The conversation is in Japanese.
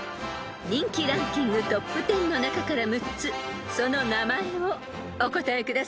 ［人気ランキングトップ１０の中から６つその名前をお答えください］